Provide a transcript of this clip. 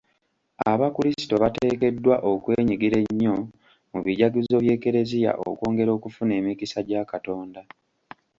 Abakrisito bateekeddwa okwenyigira ennyo mu bijaguzo by'e kereziya okwongera okufuna emikisa gya Katonda.